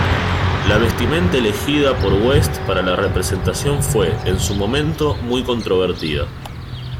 La vestimenta elegida por West para la representación fue, en su momento, muy controvertida.